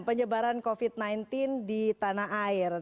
penyebaran covid sembilan belas di tanah air